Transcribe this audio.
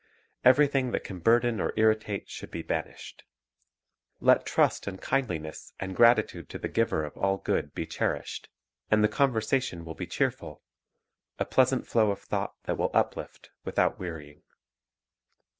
Everything that can burden or irri tate should be banished. Let trust and kindliness and gratitude to the Giver of all good be cherished, and the conversation will be cheerful, a pleasant flow of thought that will uplift without wearying.